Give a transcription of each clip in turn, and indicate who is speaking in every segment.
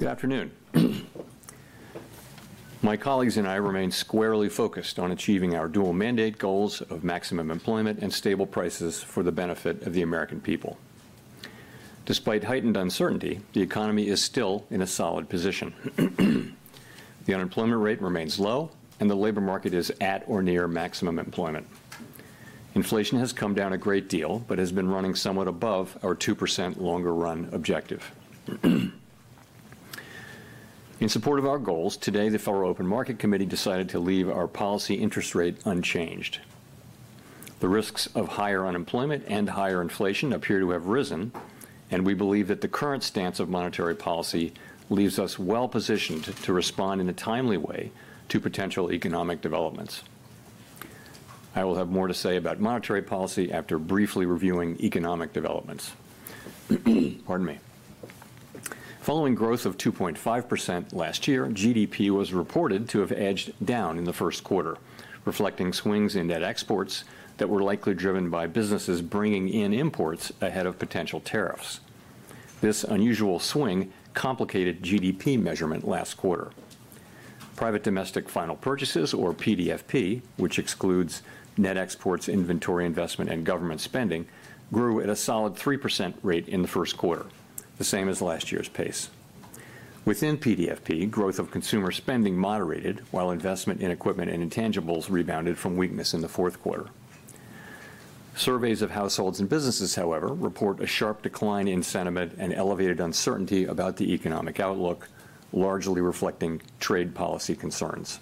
Speaker 1: Good afternoon. My colleagues and I remain squarely focused on achieving our dual mandate goals of maximum employment and stable prices for the benefit of the American people. Despite heightened uncertainty, the economy is still in a solid position. The unemployment rate remains low, and the labor market is at or near maximum employment. Inflation has come down a great deal but has been running somewhat above our 2% longer-run objective. In support of our goals, today the Federal Open Market Committee decided to leave our policy interest rate unchanged. The risks of higher unemployment and higher inflation appear to have risen, and we believe that the current stance of monetary policy leaves us well-positioned to respond in a timely way to potential economic developments. I will have more to say about monetary policy after briefly reviewing economic developments. Pardon me. Following growth of 2.5% last year, GDP was reported to have edged down in the first quarter, reflecting swings in net exports that were likely driven by businesses bringing in imports ahead of potential tariffs. This unusual swing complicated GDP measurement last quarter. Private domestic final purchases, or PDFP, which excludes net exports, inventory investment, and government spending, grew at a solid 3% rate in the first quarter, the same as last year's pace. Within PDFP, growth of consumer spending moderated, while investment in equipment and intangibles rebounded from weakness in the fourth quarter. Surveys of households and businesses, however, report a sharp decline in sentiment and elevated uncertainty about the economic outlook, largely reflecting trade policy concerns.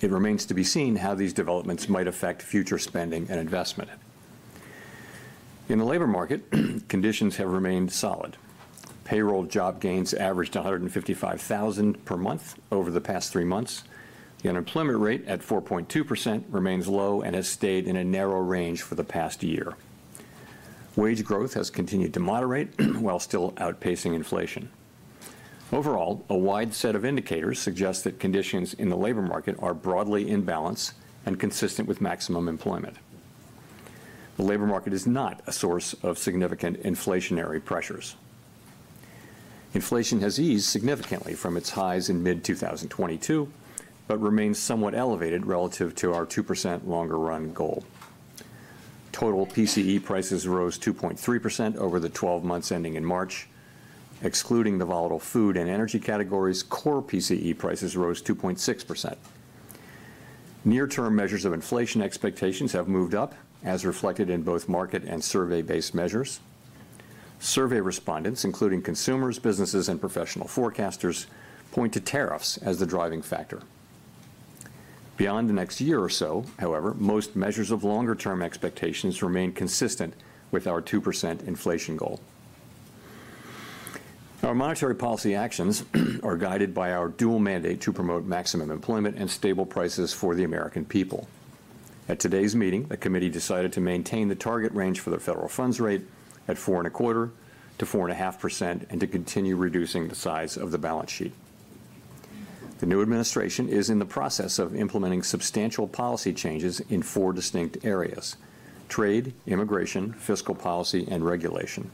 Speaker 1: It remains to be seen how these developments might affect future spending and investment. In the labor market, conditions have remained solid. Payroll job gains averaged 155,000 per month over the past 3 months. The unemployment rate at 4.2% remains low and has stayed in a narrow range for the past year. Wage growth has continued to moderate while still outpacing inflation. Overall, a wide set of indicators suggest that conditions in the labor market are broadly in balance and consistent with maximum employment. The labor market is not a source of significant inflationary pressures. Inflation has eased significantly from its highs in mid-2022 but remains somewhat elevated relative to our 2% longer-run goal. Total PCE prices rose 2.3% over the 12 months ending in March. Excluding the volatile food and energy categories, core PCE prices rose 2.6%. Near-term measures of inflation expectations have moved up, as reflected in both market and survey-based measures. Survey respondents, including consumers, businesses, and professional forecasters, point to tariffs as the driving factor. Beyond the next year or so, however, most measures of longer-term expectations remain consistent with our 2% inflation goal. Our monetary policy actions are guided by our dual mandate to promote maximum employment and stable prices for the American people. At today's meeting, the Committee decided to maintain the target range for the federal funds rate at 4.25%-4.5% and to continue reducing the size of the balance sheet. The new administration is in the process of implementing substantial policy changes in 4 distinct areas: trade, immigration, fiscal policy, and regulation.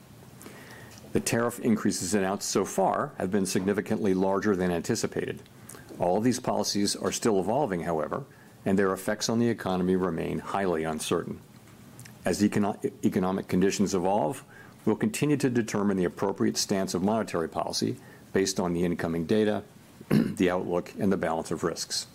Speaker 1: The tariff increases announced so far have been significantly larger than anticipated. All of these policies are still evolving, however, and their effects on the economy remain highly uncertain. As economic conditions evolve, we'll continue to determine the appropriate stance of monetary policy based on the incoming data, the outlook, and the balance of risks.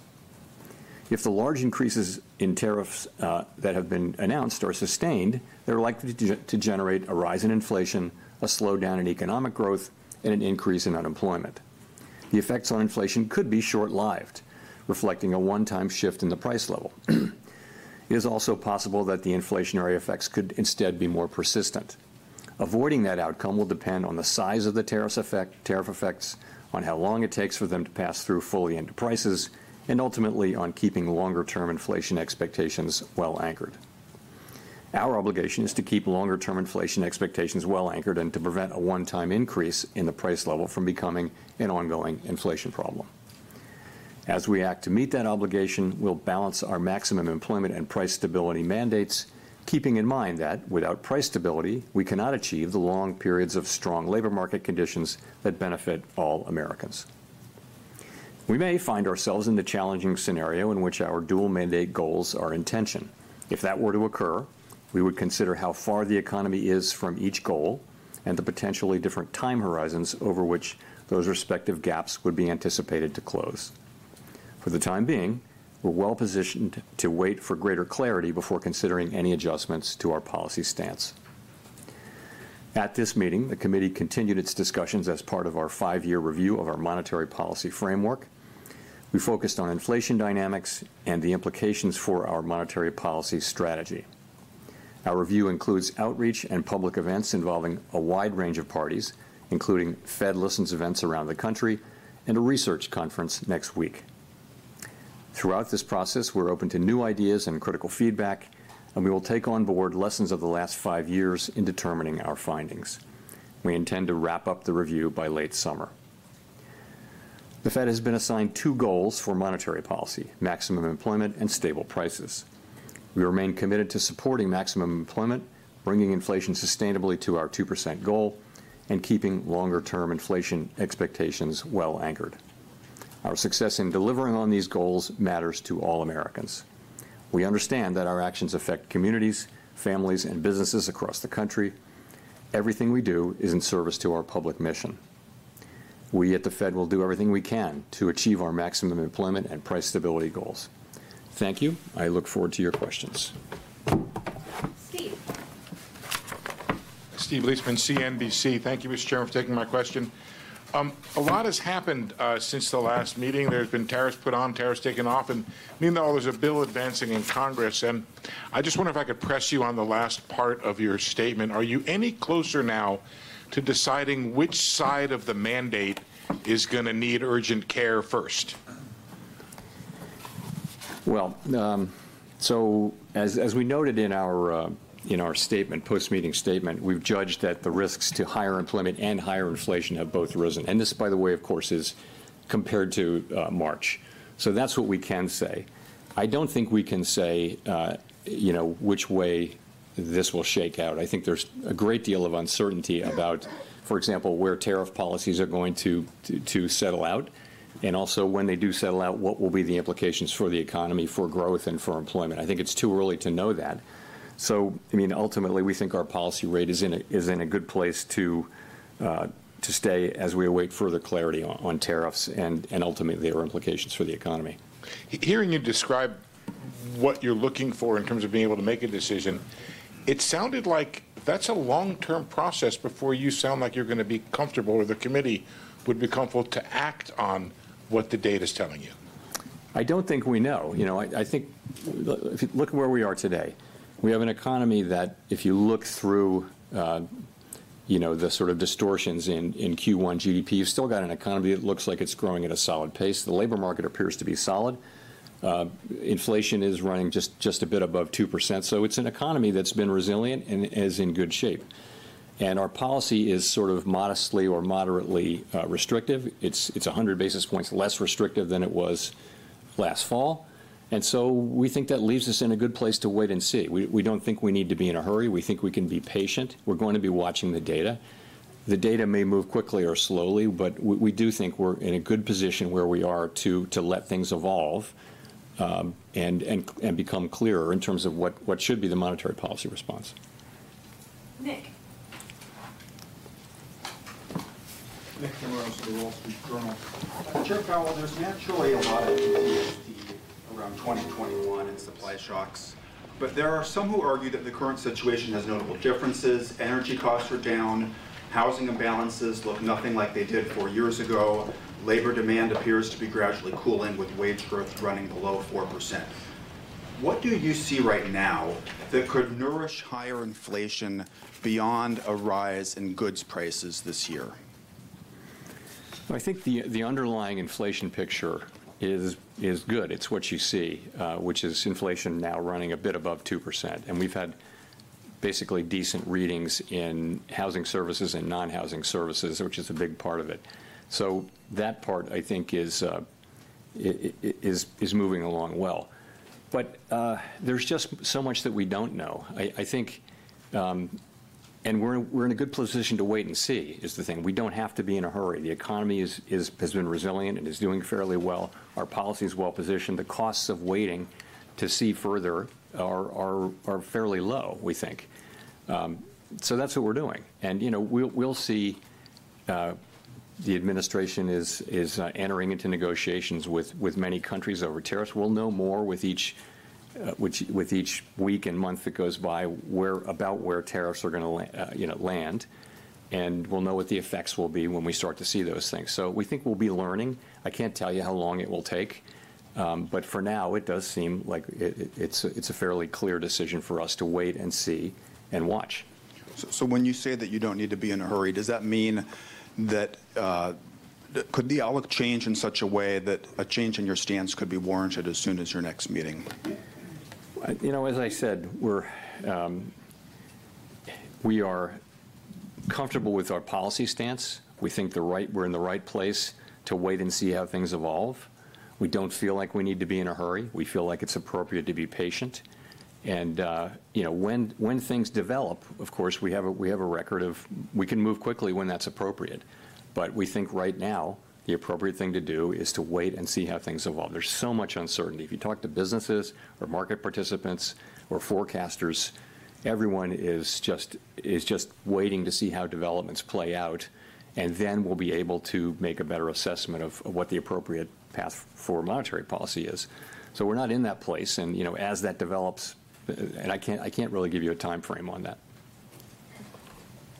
Speaker 1: If the large increases in tariffs that have been announced are sustained, they're likely to generate a rise in inflation, a slowdown in economic growth, and an increase in unemployment. The effects on inflation could be short-lived, reflecting a one-time shift in the price level. It is also possible that the inflationary effects could instead be more persistent. Avoiding that outcome will depend on the size of the tariff effects, on how long it takes for them to pass through fully into prices, and ultimately on keeping longer-term inflation expectations well anchored. Our obligation is to keep longer-term inflation expectations well anchored and to prevent a one-time increase in the price level from becoming an ongoing inflation problem. As we act to meet that obligation, we'll balance our maximum employment and price stability mandates, keeping in mind that without price stability, we cannot achieve the long periods of strong labor market conditions that benefit all Americans. We may find ourselves in the challenging scenario in which our dual mandate goals are in tension. If that were to occur, we would consider how far the economy is from each goal and the potentially different time horizons over which those respective gaps would be anticipated to close. For the time being, we're well-positioned to wait for greater clarity before considering any adjustments to our policy stance. At this meeting, the Committee continued its discussions as part of our 5-year review of our monetary policy framework. We focused on inflation dynamics and the implications for our monetary policy strategy. Our review includes outreach and public events involving a wide range of parties, including Fed listens events around the country and a research conference next week. Throughout this process, we're open to new ideas and critical feedback, and we will take on board lessons of the last five years in determining our findings. We intend to wrap up the review by late summer. The Fed has been assigned two goals for monetary policy: maximum employment and stable prices. We remain committed to supporting maximum employment, bringing inflation sustainably to our 2% goal, and keeping longer-term inflation expectations well anchored. Our success in delivering on these goals matters to all Americans. We understand that our actions affect communities, families, and businesses across the country. Everything we do is in service to our public mission. We at the Fed will do everything we can to achieve our maximum employment and price stability goals. Thank you. I look forward to your questions.
Speaker 2: Steve. Thank you, Mr. Chairman, for taking my question. A lot has happened since the last meeting. There have been tariffs put on, tariffs taken off, and meanwhile, there's a bill advancing in Congress. I just wonder if I could press you on the last part of your statement. Are you any closer now to deciding which side of the mandate is going to need urgent care first?
Speaker 1: As we noted in our post-meeting statement, we've judged that the risks to higher employment and higher inflation have both risen. This, by the way, of course, is compared to March. That's what we can say. I don't think we can say, you know, which way this will shake out. I think there's a great deal of uncertainty about, for example, where tariff policies are going to settle out, and also when they do settle out, what will be the implications for the economy, for growth, and for employment. I think it's too early to know that. Ultimately, we think our policy rate is in a good place to stay as we await further clarity on tariffs and ultimately their implications for the economy. Hearing you describe what you're looking for in terms of being able to make a decision, it sounded like that's a long-term process before you sound like you're going to be comfortable or the Committee would be comfortable to act on what the data is telling you. I don't think we know. You know, I think look where we are today. We have an economy that, if you look through, you know, the sort of distortions in Q1 GDP, you've still got an economy that looks like it's growing at a solid pace. The labor market appears to be solid. Inflation is running just a bit above 2%, so it's an economy that's been resilient and is in good shape. Our policy is sort of modestly or moderately restrictive. It's 100 basis points less restrictive than it was last fall. We think that leaves us in a good place to wait and see. We don't think we need to be in a hurry. We think we can be patient. We're going to be watching the data. The data may move quickly or slowly, but we do think we're in a good position where we are to let things evolve and become clearer in terms of what should be the monetary policy response.
Speaker 2: Nick.
Speaker 3: Nick Timiraos from The Wall Street Journal. Mr. Chair Powell, there's naturally a lot of enthusiasm around 2021 and supply shocks, but there are some who argue that the current situation has notable differences. Energy costs are down. Housing imbalances look nothing like they did 4 years ago. Labor demand appears to be gradually cooling with wage growth running below 4%. What do you see right now that could nourish higher inflation beyond a rise in goods prices this year?
Speaker 1: I think the underlying inflation picture is good. It's what you see, which is inflation now running a bit above 2%. And we've had basically decent readings in housing services and non-housing services, which is a big part of it. That part, I think, is moving along well. There is just so much that we don't know. I think, and we're in a good position to wait and see, is the thing. We don't have to be in a hurry. The economy has been resilient and is doing fairly well. Our policy is well-positioned. The costs of waiting to see further are fairly low, we think. That's what we're doing. You know, we'll see. The administration is entering into negotiations with many countries over tariffs. We'll know more with each week and month that goes by about where tariffs are going to land, and we'll know what the effects will be when we start to see those things. We think we'll be learning. I can't tell you how long it will take, but for now, it does seem like it's a fairly clear decision for us to wait and see and watch.
Speaker 3: When you say that you don't need to be in a hurry, does that mean that could the outlook change in such a way that a change in your stance could be warranted as soon as your next meeting?
Speaker 1: You know, as I said, we are comfortable with our policy stance. We think we're in the right place to wait and see how things evolve. We don't feel like we need to be in a hurry. We feel like it's appropriate to be patient. You know, when things develop, of course, we have a record of we can move quickly when that's appropriate. We think right now the appropriate thing to do is to wait and see how things evolve. There's so much uncertainty. If you talk to businesses or market participants or forecasters, everyone is just waiting to see how developments play out, and then we'll be able to make a better assessment of what the appropriate path for monetary policy is. We're not in that place. You know, as that develops, and I can't really give you a time frame on that.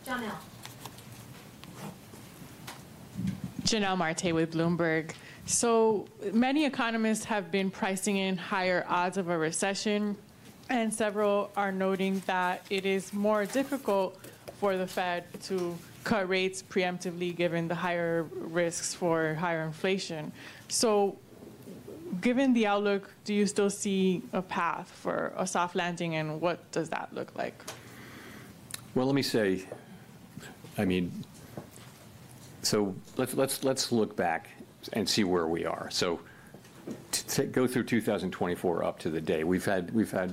Speaker 2: Jonnelle.
Speaker 4: Jonnelle Marte with Bloomberg. Many economists have been pricing in higher odds of a recession, and several are noting that it is more difficult for the Fed to cut rates preemptively given the higher risks for higher inflation. Given the outlook, do you still see a path for a soft landing, and what does that look like?
Speaker 1: Let me say, I mean, let's look back and see where we are. Go through 2024 up to today, we've had,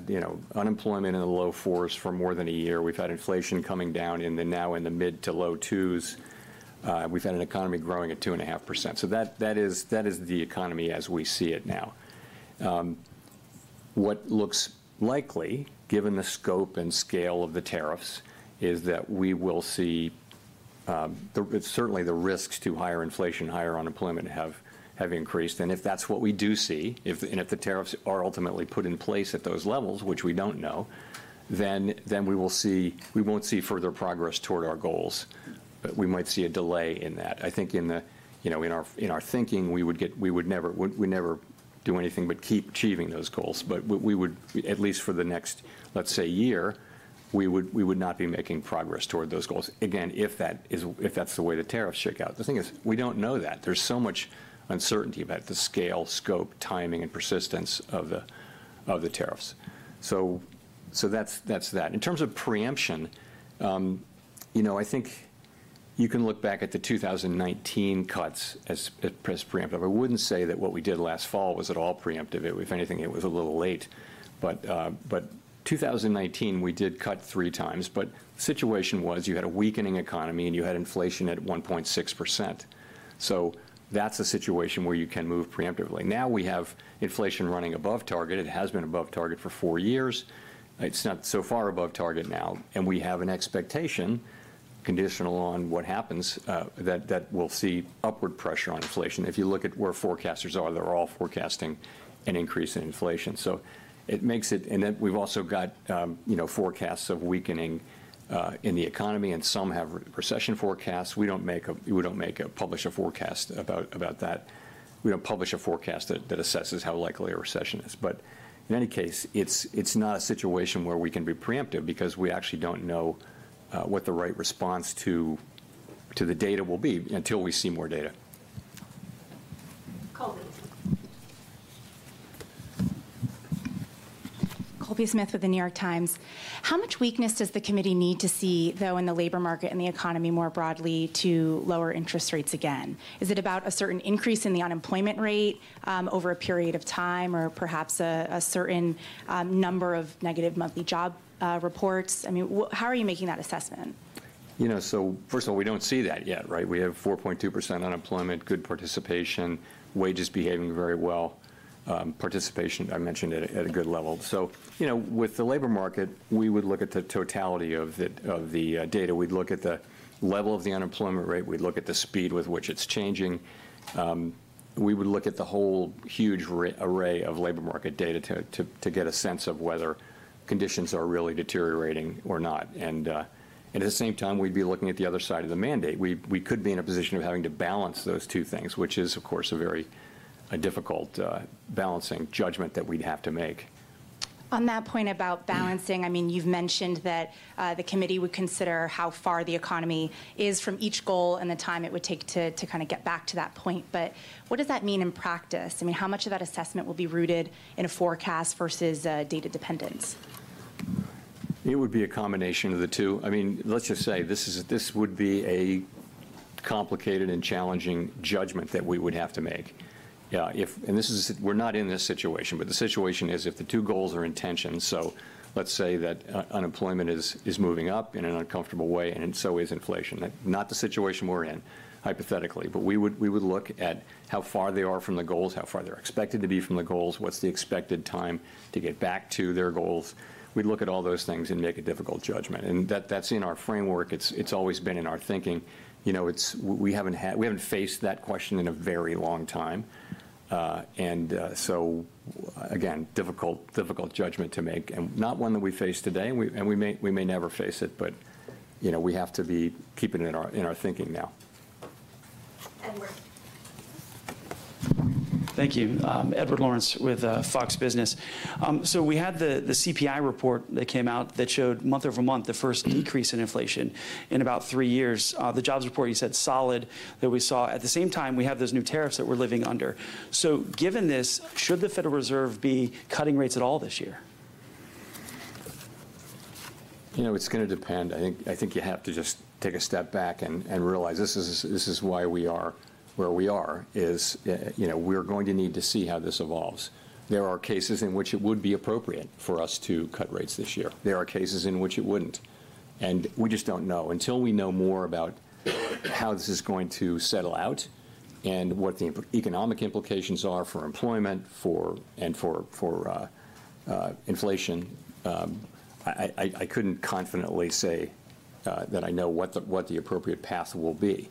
Speaker 1: you know, unemployment in the low fours for more than a year. We've had inflation coming down in the now in the mid to low twos. We've had an economy growing at 2.5%. That is the economy as we see it now. What looks likely, given the scope and scale of the tariffs, is that we will see certainly the risks to higher inflation, higher unemployment have increased. If that's what we do see, and if the tariffs are ultimately put in place at those levels, which we don't know, then we will see we won't see further progress toward our goals, but we might see a delay in that. I think in the, you know, in our thinking, we would never do anything but keep achieving those goals. We would, at least for the next, let's say, year, not be making progress toward those goals, again, if that's the way the tariffs shake out. The thing is, we don't know that. There's so much uncertainty about the scale, scope, timing, and persistence of the tariffs. That's that. In terms of preemption, you know, I think you can look back at the 2019 cuts as preemptive. I wouldn't say that what we did last fall was at all preemptive. If anything, it was a little late. In 2019, we did cut three times. The situation was you had a weakening economy, and you had inflation at 1.6%. That's a situation where you can move preemptively. Now we have inflation running above target. It has been above target for four years. It's not so far above target now. We have an expectation, conditional on what happens, that we'll see upward pressure on inflation. If you look at where forecasters are, they're all forecasting an increase in inflation. It makes it, and then we've also got, you know, forecasts of weakening in the economy, and some have recession forecasts. We don't make a, we don't publish a forecast about that. We don't publish a forecast that assesses how likely a recession is. In any case, it's not a situation where we can be preemptive because we actually don't know what the right response to the data will be until we see more data.
Speaker 2: Colby.
Speaker 5: Colby Smith with The New York Times. How much weakness does the Committee need to see, though, in the labor market and the economy more broadly to lower interest rates again? Is it about a certain increase in the unemployment rate over a period of time or perhaps a certain number of negative monthly job reports? I mean, how are you making that assessment?
Speaker 1: You know, first of all, we don't see that yet, right? We have 4.2% unemployment, good participation, wages behaving very well, participation, I mentioned, at a good level. You know, with the labor market, we would look at the totality of the data. We'd look at the level of the unemployment rate. We'd look at the speed with which it's changing. We would look at the whole huge array of labor market data to get a sense of whether conditions are really deteriorating or not. At the same time, we'd be looking at the other side of the mandate. We could be in a position of having to balance those two things, which is, of course, a very difficult balancing judgment that we'd have to make.
Speaker 5: On that point about balancing, I mean, you've mentioned that the Committee would consider how far the economy is from each goal and the time it would take to kind of get back to that point. What does that mean in practice? I mean, how much of that assessment will be rooted in a forecast versus data dependence?
Speaker 1: It would be a combination of the two. I mean, let's just say this would be a complicated and challenging judgment that we would have to make. This is, we're not in this situation, but the situation is if the two goals are in tension, let's say that unemployment is moving up in an uncomfortable way, and so is inflation. Not the situation we're in, hypothetically, but we would look at how far they are from the goals, how far they're expected to be from the goals, what's the expected time to get back to their goals. We'd look at all those things and make a difficult judgment. That's in our framework. It's always been in our thinking. You know, we haven't faced that question in a very long time. Again, difficult judgment to make, and not one that we face today. We may never face it, but, you know, we have to be keeping it in our thinking now.
Speaker 2: Edward.
Speaker 6: Thank you. Edward Lawrence with Fox Business. We had the CPI report that came out that showed month over month the first decrease in inflation in about three years. The jobs report, you said, solid that we saw. At the same time, we have those new tariffs that we're living under. Given this, should the Federal Reserve be cutting rates at all this year?
Speaker 1: You know, it's going to depend. I think you have to just take a step back and realize this is why we are where we are, is, you know, we're going to need to see how this evolves. There are cases in which it would be appropriate for us to cut rates this year. There are cases in which it wouldn't. We just don't know. Until we know more about how this is going to settle out and what the economic implications are for employment and for inflation, I couldn't confidently say that I know what the appropriate path will be.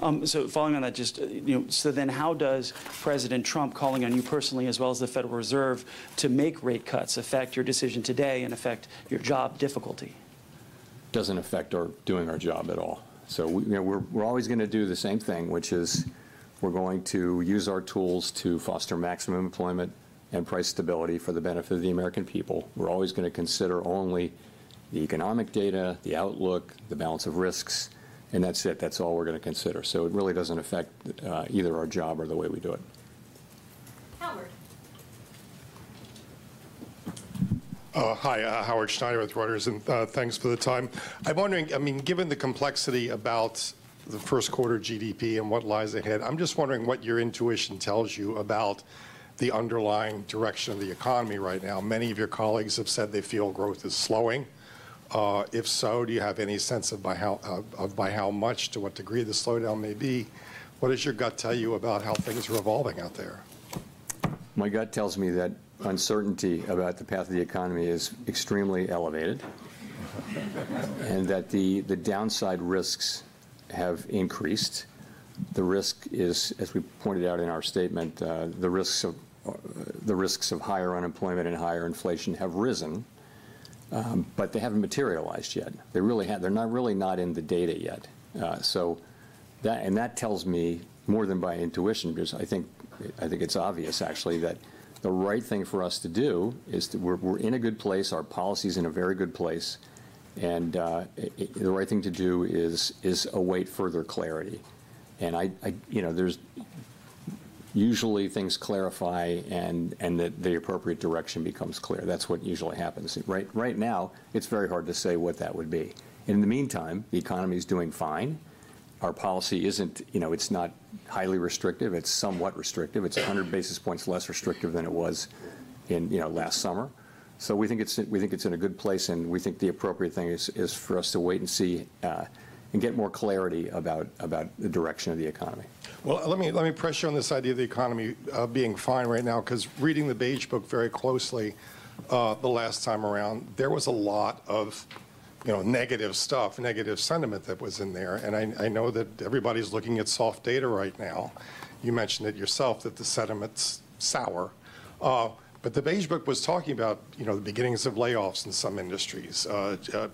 Speaker 6: Following on that, just, you know, so then how does President Trump calling on you personally, as well as the Federal Reserve, to make rate cuts affect your decision today and affect your job difficulty?
Speaker 1: Doesn't affect our doing our job at all. We're always going to do the same thing, which is we're going to use our tools to foster maximum employment and price stability for the benefit of the American people. We're always going to consider only the economic data, the outlook, the balance of risks, and that's it. That's all we're going to consider. It really doesn't affect either our job or the way we do it.
Speaker 2: Howard.
Speaker 7: Hi, Howard Schneider with Reuters, and thanks for the time. I'm wondering, I mean, given the complexity about the first quarter GDP and what lies ahead, I'm just wondering what your intuition tells you about the underlying direction of the economy right now. Many of your colleagues have said they feel growth is slowing. If so, do you have any sense of by how much, to what degree the slowdown may be? What does your gut tell you about how things are evolving out there?
Speaker 1: My gut tells me that uncertainty about the path of the economy is extremely elevated and that the downside risks have increased. The risk is, as we pointed out in our statement, the risks of higher unemployment and higher inflation have risen, but they have not materialized yet. They really have not. They are really not in the data yet. That, and that tells me more than by intuition, because I think it is obvious, actually, that the right thing for us to do is we are in a good place. Our policy is in a very good place. The right thing to do is await further clarity. You know, usually things clarify and the appropriate direction becomes clear. That is what usually happens. Right now, it is very hard to say what that would be. In the meantime, the economy is doing fine. Our policy is not, you know, it is not highly restrictive. It's somewhat restrictive. It's 100 basis points less restrictive than it was in, you know, last summer. We think it's in a good place, and we think the appropriate thing is for us to wait and see and get more clarity about the direction of the economy.
Speaker 7: Let me pressure on this idea of the economy being fine right now, because reading the Beige Book very closely the last time around, there was a lot of, you know, negative stuff, negative sentiment that was in there. I know that everybody's looking at soft data right now. You mentioned it yourself, that the sentiment's sour. The Beige Book was talking about, you know, the beginnings of layoffs in some industries,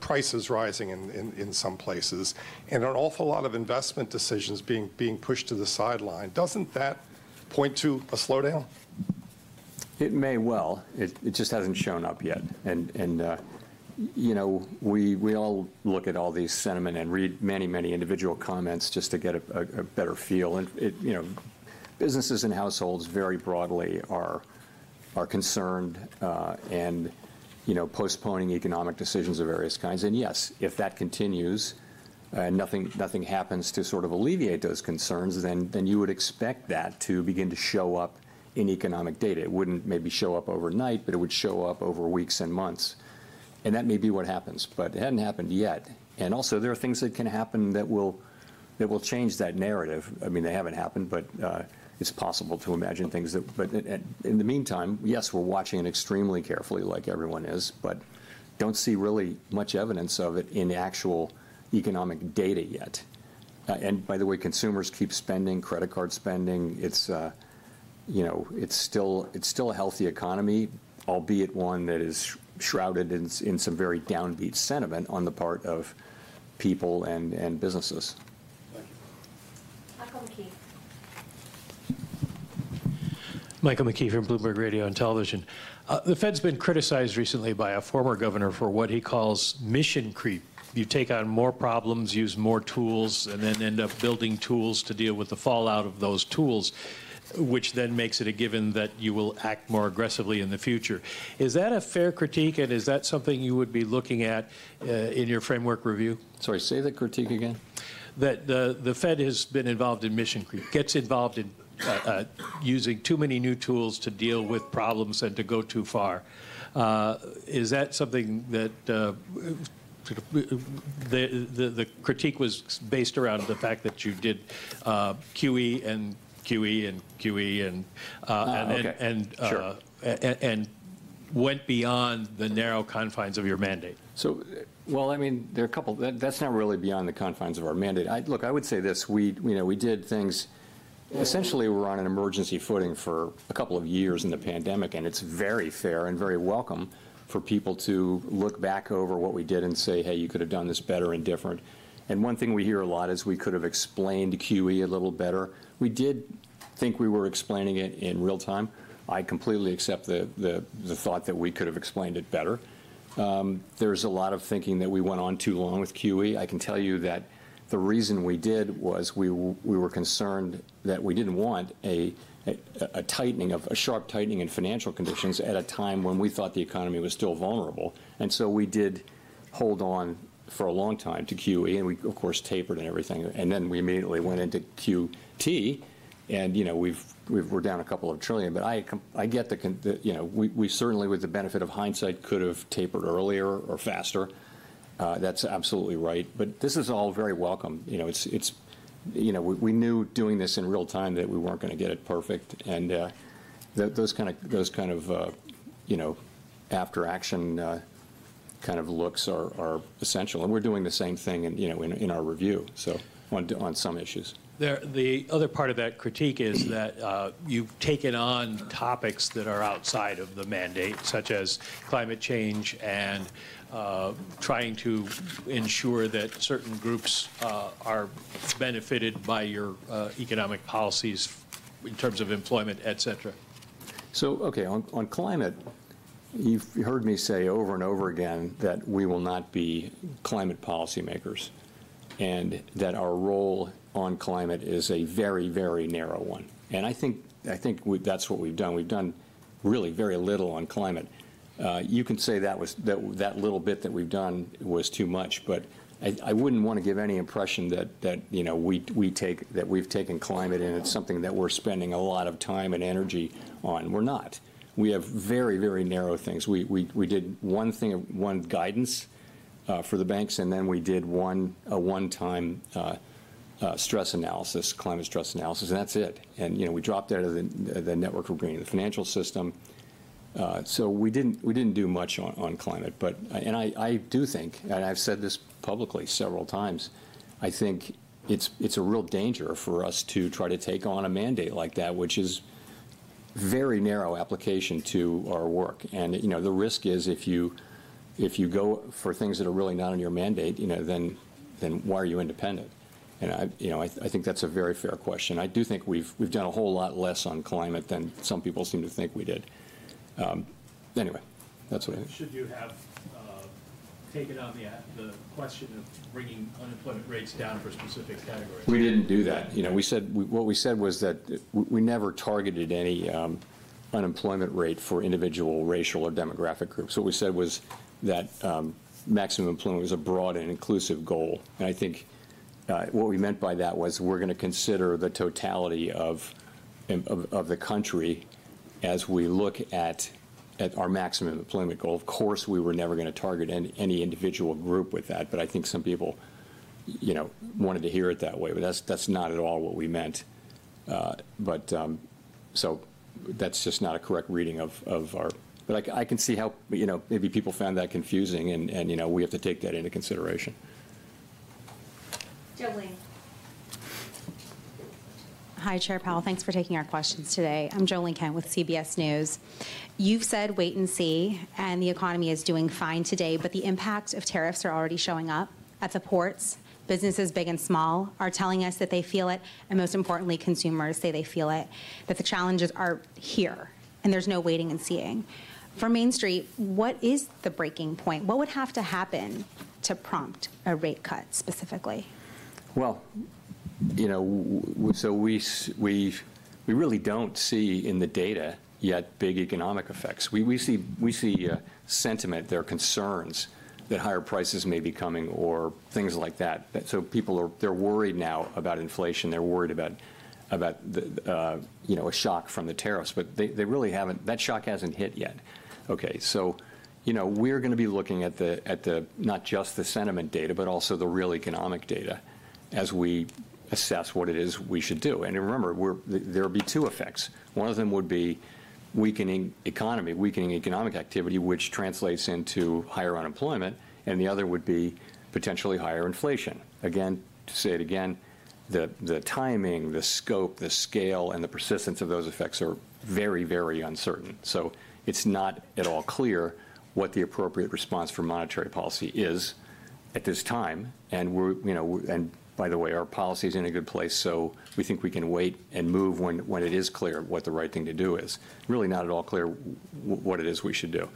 Speaker 7: prices rising in some places, and an awful lot of investment decisions being pushed to the sideline. Doesn't that point to a slowdown?
Speaker 1: It may well. It just hasn't shown up yet. You know, we all look at all these sentiments and read many, many individual comments just to get a better feel. You know, businesses and households very broadly are concerned and, you know, postponing economic decisions of various kinds. Yes, if that continues and nothing happens to sort of alleviate those concerns, then you would expect that to begin to show up in economic data. It wouldn't maybe show up overnight, but it would show up over weeks and months. That may be what happens. It hasn't happened yet. Also, there are things that can happen that will change that narrative. I mean, they haven't happened, but it's possible to imagine things that, but in the meantime, yes, we're watching it extremely carefully, like everyone is, but don't see really much evidence of it in actual economic data yet. By the way, consumers keep spending, credit card spending. It's, you know, it's still a healthy economy, albeit one that is shrouded in some very downbeat sentiment on the part of people and businesses.
Speaker 2: Michael McKee.
Speaker 8: Michael McKee from Bloomberg Radio and Television. The Fed's been criticized recently by a former governor for what he calls mission creep. You take on more problems, use more tools, and then end up building tools to deal with the fallout of those tools, which then makes it a given that you will act more aggressively in the future. Is that a fair critique, and is that something you would be looking at in your framework review?
Speaker 1: Sorry, say the critique again.
Speaker 8: That the Fed has been involved in mission creep, gets involved in using too many new tools to deal with problems and to go too far. Is that something that the critique was based around the fact that you did QE and QE and QE and went beyond the narrow confines of your mandate?
Speaker 1: I mean, there are a couple that's not really beyond the confines of our mandate. Look, I would say this. We, you know, we did things essentially we were on an emergency footing for a couple of years in the pandemic, and it's very fair and very welcome for people to look back over what we did and say, hey, you could have done this better and different. One thing we hear a lot is we could have explained QE a little better. We did think we were explaining it in real time. I completely accept the thought that we could have explained it better. There's a lot of thinking that we went on too long with QE. I can tell you that the reason we did was we were concerned that we did not want a tightening of a sharp tightening in financial conditions at a time when we thought the economy was still vulnerable. We did hold on for a long time to QE, and we, of course, tapered and everything. We immediately went into QT, and, you know, we are down a couple of trillion. I get that, you know, we certainly, with the benefit of hindsight, could have tapered earlier or faster. That is absolutely right. This is all very welcome. You know, it is, you know, we knew doing this in real time that we were not going to get it perfect. Those kind of, you know, after-action kind of looks are essential. We are doing the same thing, you know, in our review, so on some issues.
Speaker 8: The other part of that critique is that you've taken on topics that are outside of the mandate, such as climate change and trying to ensure that certain groups are benefited by your economic policies in terms of employment, et cetera.
Speaker 1: Okay, on climate, you've heard me say over and over again that we will not be climate policymakers and that our role on climate is a very, very narrow one. I think that's what we've done. We've done really very little on climate. You can say that little bit that we've done was too much, but I wouldn't want to give any impression that, you know, we've taken climate and it's something that we're spending a lot of time and energy on. We're not. We have very, very narrow things. We did one thing, one guidance for the banks, and then we did one-time stress analysis, climate stress analysis, and that's it. You know, we dropped out of the network of green in the financial system. We didn't do much on climate. I do think, and I've said this publicly several times, I think it's a real danger for us to try to take on a mandate like that, which is very narrow application to our work. You know, the risk is if you go for things that are really not on your mandate, you know, then why are you independent? You know, I think that's a very fair question. I do think we've done a whole lot less on climate than some people seem to think we did. Anyway, that's what I think.
Speaker 8: Should you have taken on the question of bringing unemployment rates down for specific categories?
Speaker 1: We didn't do that. You know, we said what we said was that we never targeted any unemployment rate for individual racial or demographic groups. What we said was that maximum employment was a broad and inclusive goal. I think what we meant by that was we're going to consider the totality of the country as we look at our maximum employment goal. Of course, we were never going to target any individual group with that, but I think some people, you know, wanted to hear it that way. That's not at all what we meant. That's just not a correct reading of our, but I can see how, you know, maybe people found that confusing, and, you know, we have to take that into consideration.
Speaker 2: Jo Ling.
Speaker 9: Hi, Chair Powell. Thanks for taking our questions today. I'm Jo Ling Kent with CBS News. You've said wait and see, and the economy is doing fine today, but the impact of tariffs are already showing up at the ports. Businesses big and small are telling us that they feel it, and most importantly, consumers say they feel it, that the challenges are here and there's no waiting and seeing. For Main Street, what is the breaking point? What would have to happen to prompt a rate cut specifically?
Speaker 1: You know, we really do not see in the data yet big economic effects. We see sentiment, there are concerns that higher prices may be coming or things like that. People are, they are worried now about inflation. They are worried about, you know, a shock from the tariffs, but they really have not, that shock has not hit yet. Okay, you know, we are going to be looking at the, not just the sentiment data, but also the real economic data as we assess what it is we should do. Remember, there will be two effects. One of them would be weakening economy, weakening economic activity, which translates into higher unemployment, and the other would be potentially higher inflation. Again, to say it again, the timing, the scope, the scale, and the persistence of those effects are very, very uncertain. It is not at all clear what the appropriate response for monetary policy is at this time. We are, you know, and by the way, our policy is in a good place, so we think we can wait and move when it is clear what the right thing to do is. Really not at all clear what it is we should do.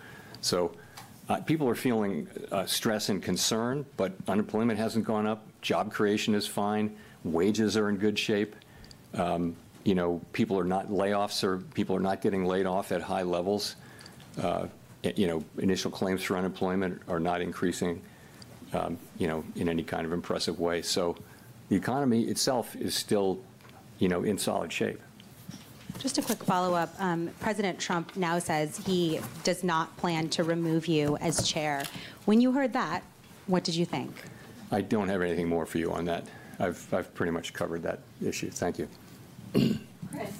Speaker 1: People are feeling stress and concern, but unemployment has not gone up. Job creation is fine. Wages are in good shape. You know, people are not layoffs or people are not getting laid off at high levels. You know, initial claims for unemployment are not increasing, you know, in any kind of impressive way. The economy itself is still, you know, in solid shape.
Speaker 9: Just a quick follow-up. President Trump now says he does not plan to remove you as chair. When you heard that, what did you think?
Speaker 1: I don't have anything more for you on that. I've pretty much covered that issue. Thank you.
Speaker 2: Chris.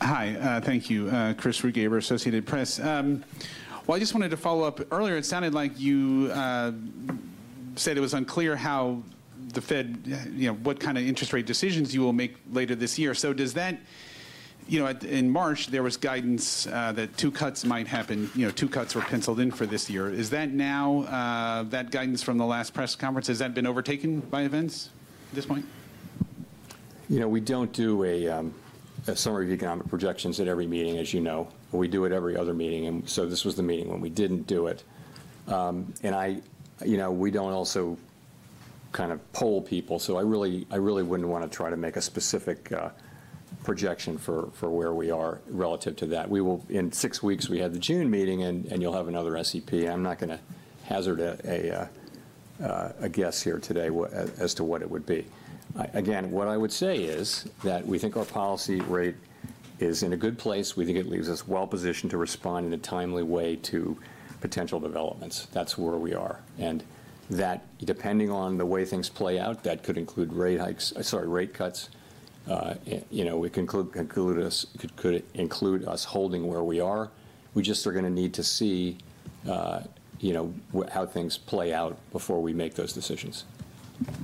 Speaker 10: Hi, thank you. Chris Rugaber, Associated Press. I just wanted to follow up. Earlier, it sounded like you said it was unclear how the Fed, you know, what kind of interest rate decisions you will make later this year. Does that, you know, in March, there was guidance that two cuts might happen, you know, two cuts were penciled in for this year. Is that now, that guidance from the last press conference, has that been overtaken by events at this point?
Speaker 1: You know, we do not do a summary of economic projections at every meeting, as you know. We do it every other meeting. This was the meeting when we did not do it. I, you know, we do not also kind of poll people. I really would not want to try to make a specific projection for where we are relative to that. We will, in six weeks, we have the June meeting, and you will have another SEP. I am not going to hazard a guess here today as to what it would be. Again, what I would say is that we think our policy rate is in a good place. We think it leaves us well positioned to respond in a timely way to potential developments. That is where we are. That, depending on the way things play out, could include rate hikes, sorry, rate cuts. You know, it could include us holding where we are. We just are going to need to see, you know, how things play out before we make those decisions.
Speaker 10: Great.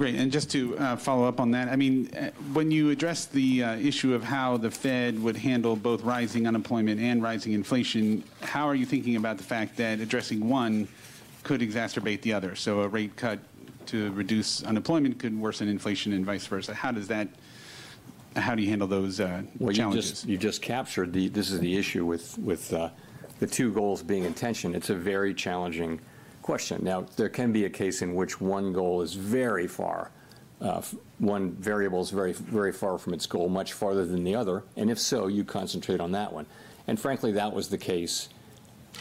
Speaker 10: And just to follow up on that, I mean, when you address the issue of how the Fed would handle both rising unemployment and rising inflation, how are you thinking about the fact that addressing one could exacerbate the other? A rate cut to reduce unemployment could worsen inflation and vice versa. How does that, how do you handle those challenges?
Speaker 1: You just captured, this is the issue with the two goals being in tension. It's a very challenging question. Now, there can be a case in which one goal is very far, one variable is very far from its goal, much farther than the other. If so, you concentrate on that one. Frankly, that was the case.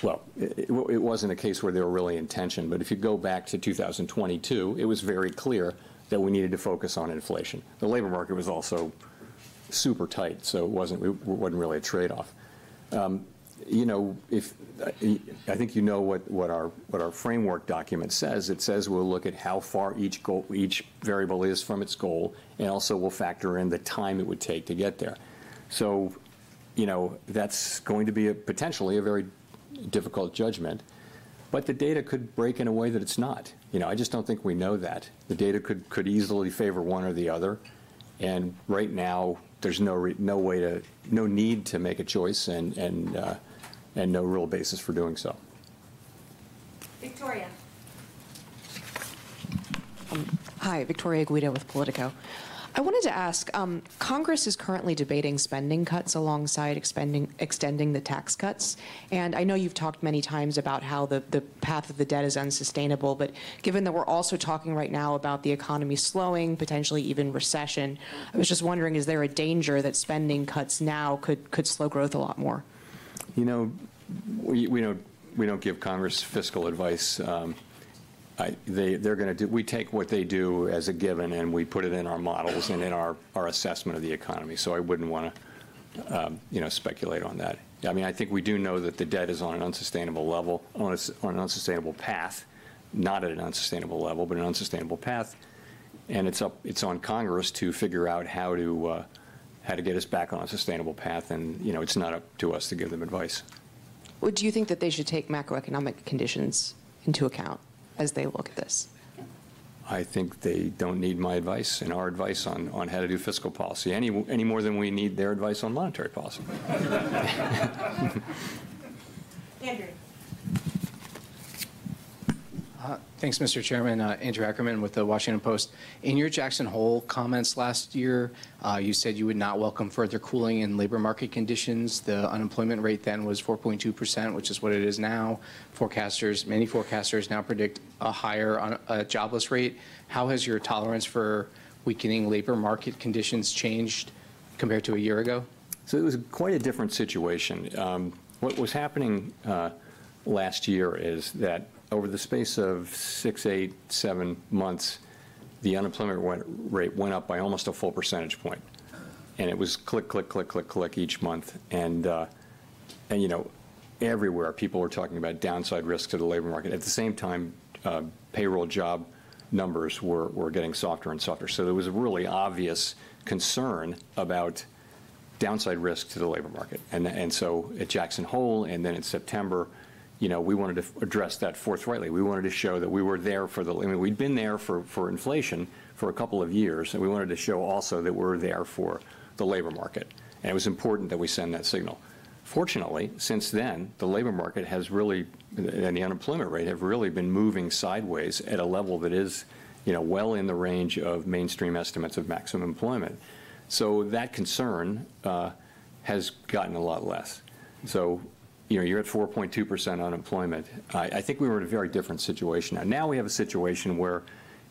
Speaker 1: It wasn't a case where they were really in tension. If you go back to 2022, it was very clear that we needed to focus on inflation. The labor market was also super tight, so it wasn't really a trade-off. You know, I think you know what our framework document says. It says we'll look at how far each variable is from its goal, and also we'll factor in the time it would take to get there. You know, that's going to be potentially a very difficult judgment. But the data could break in a way that it's not. You know, I just don't think we know that. The data could easily favor one or the other. And right now, there's no way to, no need to make a choice and no real basis for doing so.
Speaker 2: Victoria.
Speaker 11: Hi, Victoria Guida with POLITICO. I wanted to ask, Congress is currently debating spending cuts alongside extending the tax cuts. I know you've talked many times about how the path of the debt is unsustainable, but given that we're also talking right now about the economy slowing, potentially even recession, I was just wondering, is there a danger that spending cuts now could slow growth a lot more?
Speaker 1: You know, we don't give Congress fiscal advice. They're going to do, we take what they do as a given and we put it in our models and in our assessment of the economy. I wouldn't want to, you know, speculate on that. I mean, I think we do know that the debt is on an unsustainable level, on an unsustainable path, not at an unsustainable level, but an unsustainable path. It's on Congress to figure out how to get us back on a sustainable path. You know, it's not up to us to give them advice.
Speaker 11: Would you think that they should take macroeconomic conditions into account as they look at this?
Speaker 1: I think they don't need my advice and our advice on how to do fiscal policy any more than we need their advice on monetary policy.
Speaker 2: Andrew.
Speaker 12: Thanks, Mr. Chairman. Andrew Ackerman with The Washington Post. In your Jackson Hole comments last year, you said you would not welcome further cooling in labor market conditions. The unemployment rate then was 4.2%, which is what it is now. Forecasters, many forecasters now predict a higher jobless rate. How has your tolerance for weakening labor market conditions changed compared to a year ago?
Speaker 1: It was quite a different situation. What was happening last year is that over the space of 6, 8, 7 months, the unemployment rate went up by almost a full percentage point. It was click, click, click, click, click each month. You know, everywhere people were talking about downside risks to the labor market. At the same time, payroll job numbers were getting softer and softer. There was a really obvious concern about downside risks to the labor market. At Jackson Hole and then in September, you know, we wanted to address that forthrightly. We wanted to show that we were there for the, I mean, we'd been there for inflation for a couple of years. We wanted to show also that we're there for the labor market. It was important that we send that signal. Fortunately, since then, the labor market has really, and the unemployment rate have really been moving sideways at a level that is, you know, well in the range of mainstream estimates of maximum employment. That concern has gotten a lot less. You know, you're at 4.2% unemployment. I think we were in a very different situation. Now we have a situation where,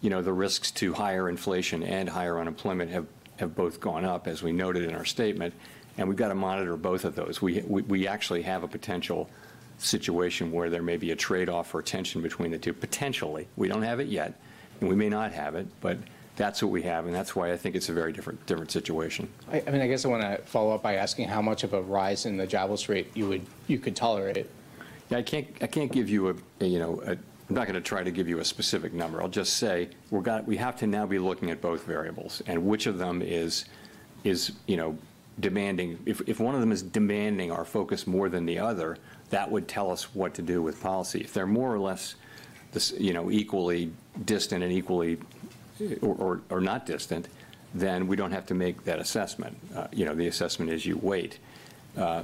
Speaker 1: you know, the risks to higher inflation and higher unemployment have both gone up, as we noted in our statement. We've got to monitor both of those. We actually have a potential situation where there may be a trade-off or tension between the two. Potentially. We don't have it yet. We may not have it, but that's what we have. That's why I think it's a very different situation.
Speaker 12: I mean, I guess I want to follow up by asking how much of a rise in the jobless rate you could tolerate.
Speaker 1: I can't give you a, you know, I'm not going to try to give you a specific number. I'll just say we have to now be looking at both variables. And which of them is, you know, demanding, if one of them is demanding our focus more than the other, that would tell us what to do with policy. If they're more or less, you know, equally distant and equally or not distant, then we don't have to make that assessment. You know, the assessment is you wait.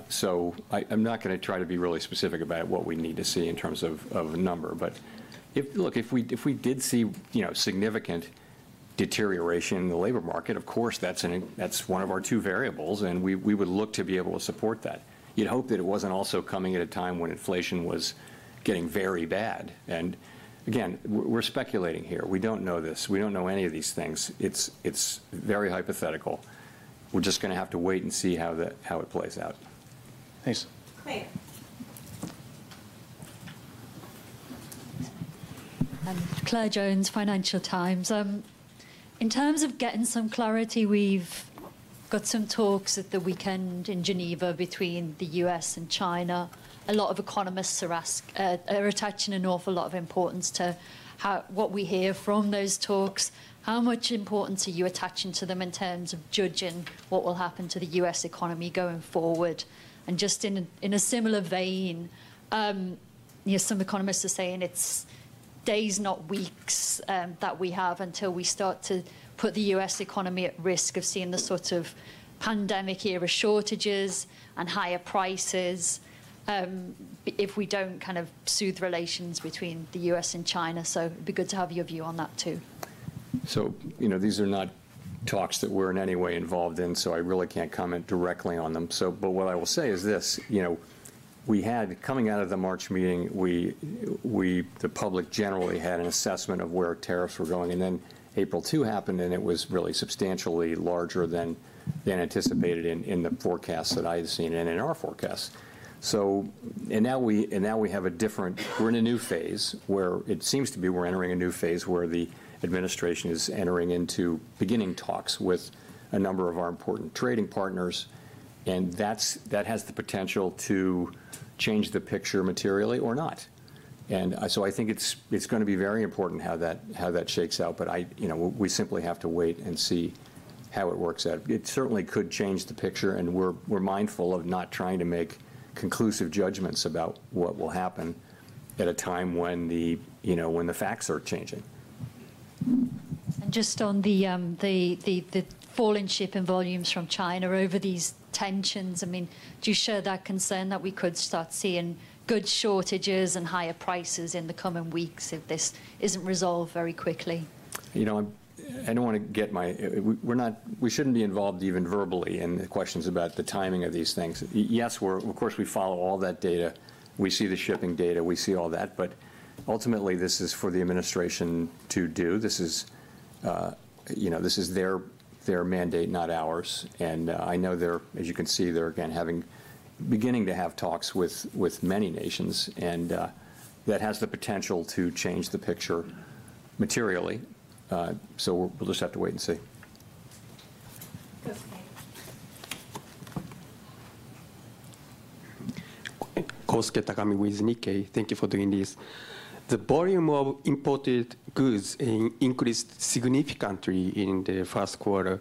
Speaker 1: So I'm not going to try to be really specific about what we need to see in terms of a number. But look, if we did see, you know, significant deterioration in the labor market, of course, that's one of our two variables. And we would look to be able to support that. You'd hope that it wasn't also coming at a time when inflation was getting very bad. Again, we're speculating here. We don't know this. We don't know any of these things. It's very hypothetical. We're just going to have to wait and see how it plays out.
Speaker 12: Thanks. In terms of getting some clarity, we've got some talks at the weekend in Geneva between the U.S. and China. A lot of economists are attaching an awful lot of importance to what we hear from those talks. How much importance are you attaching to them in terms of judging what will happen to the U.S. economy going forward? Just in a similar vein, you know, some economists are saying it's days, not weeks, that we have until we start to put the U.S. economy at risk of seeing the sort of pandemic-era shortages and higher prices if we don't kind of soothe relations between the U.S. and China. It would be good to have your view on that too.
Speaker 1: You know, these are not talks that we're in any way involved in, so I really can't comment directly on them. What I will say is this, you know, we had, coming out of the March meeting, we, the public generally had an assessment of where tariffs were going. Then April 2 happened, and it was really substantially larger than anticipated in the forecasts that I had seen and in our forecasts. Now we have a different, we're in a new phase where it seems to be we're entering a new phase where the administration is entering into beginning talks with a number of our important trading partners. That has the potential to change the picture materially or not. I think it's going to be very important how that shakes out. I, you know, we simply have to wait and see how it works out. It certainly could change the picture. We are mindful of not trying to make conclusive judgments about what will happen at a time when the, you know, when the facts are changing. Just on the fall in shipment volumes from China over these tensions, I mean, do you share that concern that we could start seeing good shortages and higher prices in the coming weeks if this isn't resolved very quickly? You know, I don't want to get my, we're not, we shouldn't be involved even verbally in questions about the timing of these things. Yes, we're, of course, we follow all that data. We see the shipping data. We see all that. Ultimately, this is for the administration to do. This is, you know, this is their mandate, not ours. I know they're, as you can see, they're again having, beginning to have talks with many nations. That has the potential to change the picture materially. We'll just have to wait and see. Thank you. For the volume of imported goods increased significantly in the first quarter.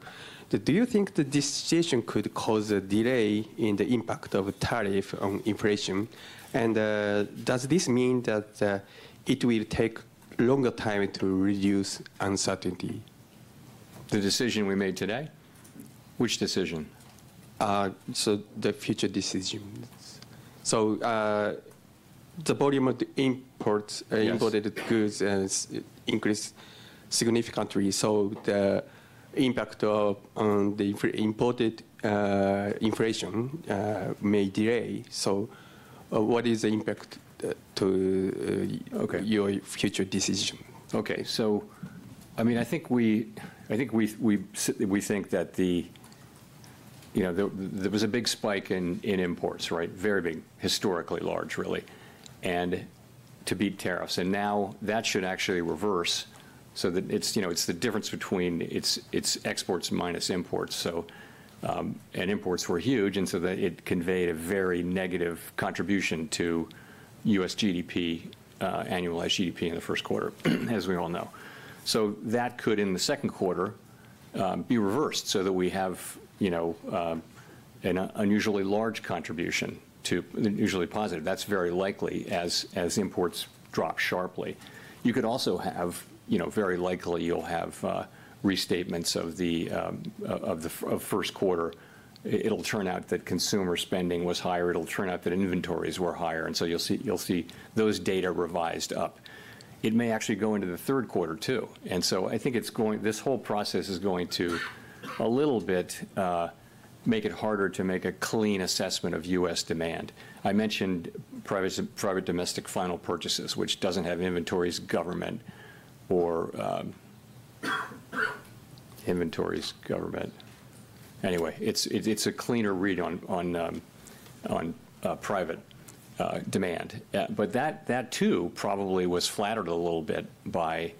Speaker 1: Do you think that this situation could cause a delay in the impact of tariff on inflation? Does this mean that it will take longer time to reduce uncertainty? The decision we made today. Which decision? The future decision. The volume of the imported goods increased significantly. The impact on the imported inflation may delay. What is the impact to your future decision? Okay. I mean, I think we think that, you know, there was a big spike in imports, right? Very big, historically large, really. To beat tariffs. Now that should actually reverse so that it's, you know, it's the difference between exports minus imports. Imports were huge. That conveyed a very negative contribution to U.S. GDP, annualized GDP in the first quarter, as we all know. That could, in the second quarter, be reversed so that we have, you know, an unusually large contribution to, usually positive. That's very likely as imports drop sharply. You could also have, you know, very likely you'll have restatements of the first quarter. It'll turn out that consumer spending was higher. It'll turn out that inventories were higher. You'll see those data revised up. It may actually go into the third quarter too. I think it's going, this whole process is going to a little bit make it harder to make a clean assessment of U.S. demand. I mentioned private domestic final purchases, which doesn't have inventories, government, or inventories, government. Anyway, it's a cleaner read on private demand. That too probably was flattered a little bit by,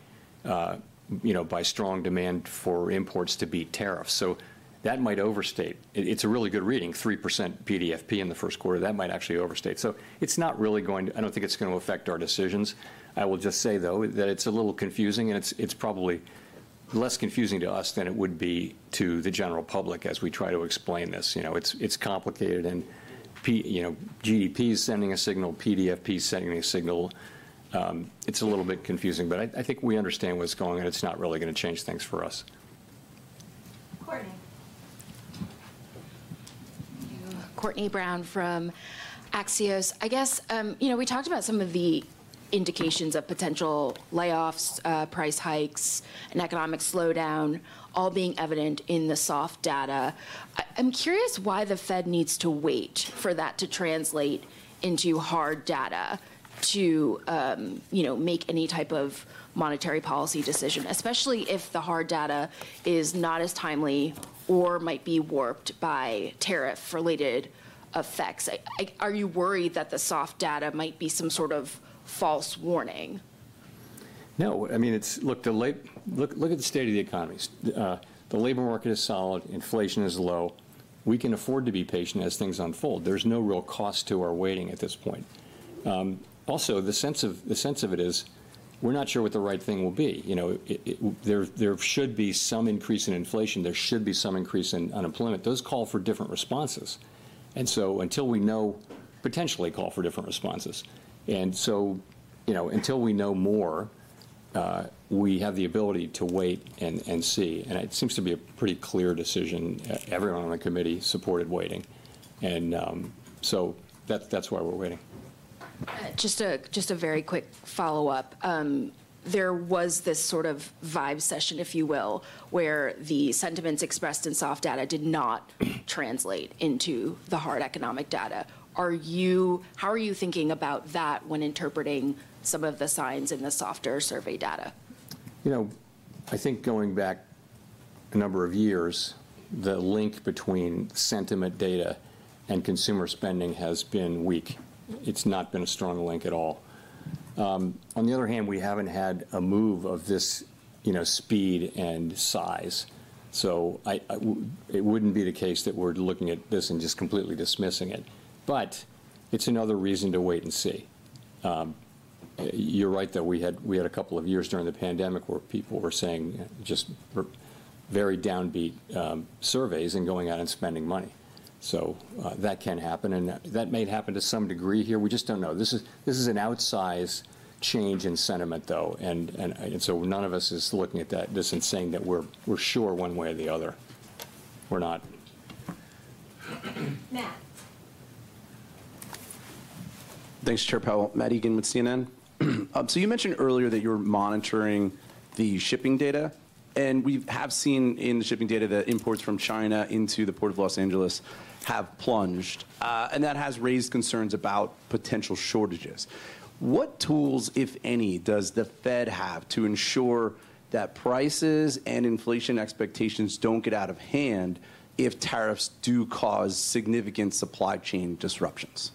Speaker 1: you know, by strong demand for imports to beat tariffs. That might overstate. It's a really good reading, 3% PDFP in the first quarter. That might actually overstate. It's not really going to, I don't think it's going to affect our decisions. I will just say, though, that it's a little confusing. It's probably less confusing to us than it would be to the general public as we try to explain this. You know, it's complicated. You know, GDP is sending a signal, PDFP is sending a signal. It's a little bit confusing. I think we understand what's going on. It's not really going to change things for us.
Speaker 13: Courtenay Brown from Axios. I guess, you know, we talked about some of the indications of potential layoffs, price hikes, and economic slowdown, all being evident in the soft data. I'm curious why the Fed needs to wait for that to translate into hard data to, you know, make any type of monetary policy decision, especially if the hard data is not as timely or might be warped by tariff-related effects. Are you worried that the soft data might be some sort of false warning?
Speaker 1: No. I mean, it's, look, the late, look at the state of the economy. The labor market is solid. Inflation is low. We can afford to be patient as things unfold. There's no real cost to our waiting at this point. Also, the sense of it is we're not sure what the right thing will be. You know, there should be some increase in inflation. There should be some increase in unemployment. Those call for different responses. Until we know, potentially call for different responses. You know, until we know more, we have the ability to wait and see. It seems to be a pretty clear decision. Everyone on the committee supported waiting. That's why we're waiting.
Speaker 13: Just a very quick follow-up. There was this sort of vibe session, if you will, where the sentiments expressed in soft data did not translate into the hard economic data. Are you, how are you thinking about that when interpreting some of the signs in the softer survey data?
Speaker 1: You know, I think going back a number of years, the link between sentiment data and consumer spending has been weak. It's not been a strong link at all. On the other hand, we haven't had a move of this, you know, speed and size. It wouldn't be the case that we're looking at this and just completely dismissing it. It is another reason to wait and see. You're right that we had a couple of years during the pandemic where people were saying just very downbeat surveys and going out and spending money. That can happen. That may happen to some degree here. We just don't know. This is an outsized change in sentiment, though. None of us is looking at this and saying that we're sure one way or the other. We're not.
Speaker 2: Matt.
Speaker 14: Thanks, Chair Powell. Matt Egan with CNN. You mentioned earlier that you're monitoring the shipping data. We have seen in the shipping data that imports from China into the Port of Los Angeles have plunged. That has raised concerns about potential shortages. What tools, if any, does the Fed have to ensure that prices and inflation expectations don't get out of hand if tariffs do cause significant supply chain disruptions?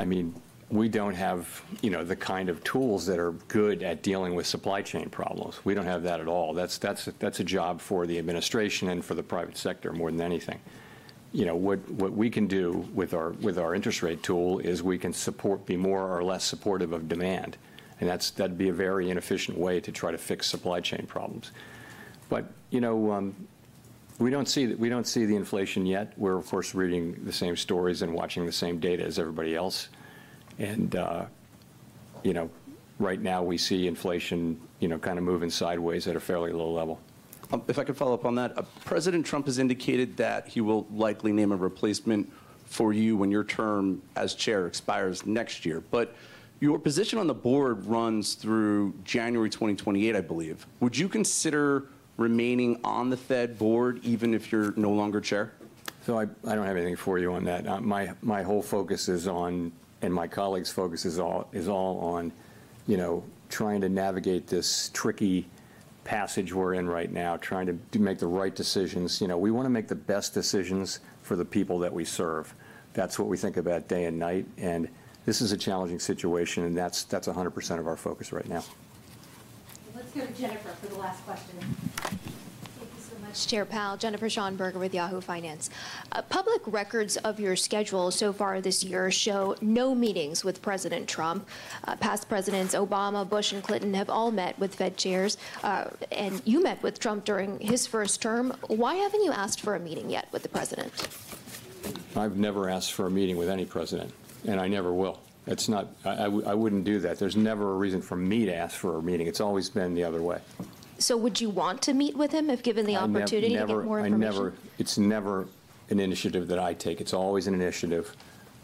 Speaker 1: I mean, we don't have, you know, the kind of tools that are good at dealing with supply chain problems. We don't have that at all. That's a job for the administration and for the private sector more than anything. You know, what we can do with our interest rate tool is we can support, be more or less supportive of demand. That'd be a very inefficient way to try to fix supply chain problems. You know, we don't see the inflation yet. We're, of course, reading the same stories and watching the same data as everybody else. You know, right now we see inflation, you know, kind of moving sideways at a fairly low level.
Speaker 14: If I could follow up on that, President Trump has indicated that he will likely name a replacement for you when your term as Chair expires next year. But your position on the board runs through January 2028, I believe. Would you consider remaining on the Fed board even if you're no longer Chair?
Speaker 1: I don't have anything for you on that. My whole focus is on, and my colleagues' focus is all on, you know, trying to navigate this tricky passage we're in right now, trying to make the right decisions. You know, we want to make the best decisions for the people that we serve. That's what we think about day and night. This is a challenging situation. That's 100% of our focus right now.
Speaker 2: Let's go to Jennifer for the last question. Thank you so much.
Speaker 15: Chair Powell, Jennifer Schonberger with Yahoo Finance. Public records of your schedule so far this year show no meetings with President Trump. Past presidents Obama, Bush, and Clinton have all met with Fed chairs. You met with Trump during his first term. Why haven't you asked for a meeting yet with the president?
Speaker 1: I've never asked for a meeting with any president. I never will. It's not, I wouldn't do that. There's never a reason for me to ask for a meeting. It's always been the other way.
Speaker 15: Would you want to meet with him if given the opportunity?
Speaker 1: No, I never, it's never an initiative that I take. It's always an initiative.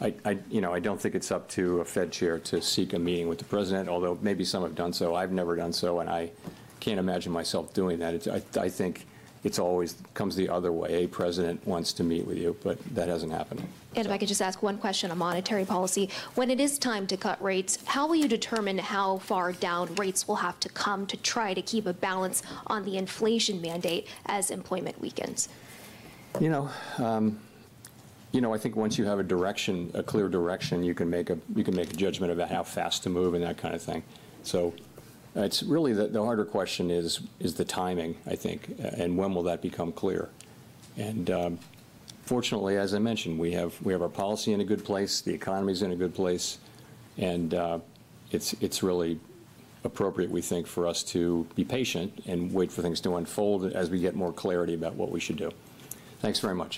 Speaker 1: I, you know, I don't think it's up to a Fed chair to seek a meeting with the president, although maybe some have done so. I've never done so. I can't imagine myself doing that. I think it always comes the other way. A president wants to meet with you. That hasn't happened.
Speaker 15: If I could just ask 1 question on monetary policy. When it is time to cut rates, how will you determine how far down rates will have to come to try to keep a balance on the inflation mandate as employment weakens?
Speaker 1: You know, I think once you have a direction, a clear direction, you can make a judgment about how fast to move and that kind of thing. It's really the harder question is the timing, I think. When will that become clear? Fortunately, as I mentioned, we have our policy in a good place. The economy is in a good place. It's really appropriate, we think, for us to be patient and wait for things to unfold as we get more clarity about what we should do. Thanks very much.